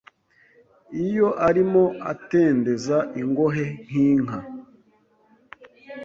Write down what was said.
Iyo arimo atendeza ingohe nk’inka